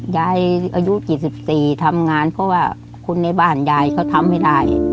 อายุ๗๔ทำงานเพราะว่าคนในบ้านยายเขาทำไม่ได้